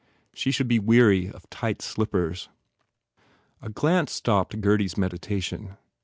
She should be weary of tight slippers. A glance stopped Gurdy s meditation.